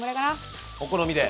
お好みで？